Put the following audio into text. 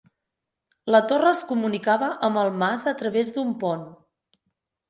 La torre es comunicava amb el mas a través d'un pont.